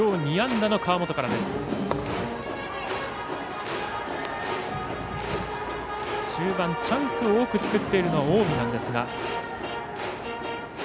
きょう２安打の川元から中盤、チャンスを多く作っているのは近江なんですが。